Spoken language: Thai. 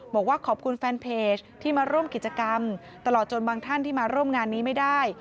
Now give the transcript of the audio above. บอกว่าขอบคุณแฟนเพจที่มาร่วมกิจกรรมตลอดจนบางท่านที่มาร่วมงานนี้ไม่ได้